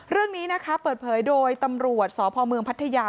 เรื่องนี้นะคะเปิดเผยโดยตำรวจสพเมืองพัทยา